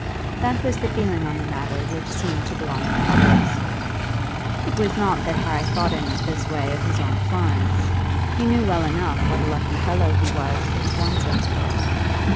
That was the feeling on the matter which seemed to belong to others. It was not that Harry thought in this way of his own Florence. He knew well enough what a lucky fellow he was to have won such a girl.